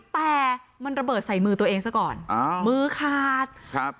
แต่มันระเบิดใส่มือตัวเองซะก่อนอ่ามือขาดครับ